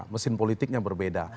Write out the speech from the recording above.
mesin politiknya berbeda